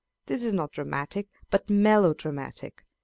This is not dramatic, but melo dramatic.